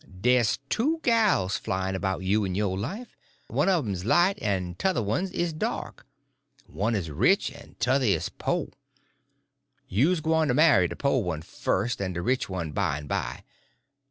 Dey's two gals flyin' 'bout you in yo' life. One uv 'em's light en t'other one is dark. One is rich en t'other is po'. You's gwyne to marry de po' one fust en de rich one by en by.